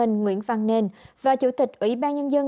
nguyễn văn nền và chủ tịch ủy ban nhân dân